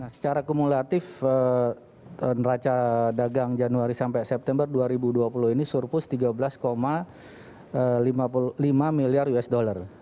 secara kumulatif neraca dagang januari sampai september dua ribu dua puluh ini surplus tiga belas lima puluh lima miliar usd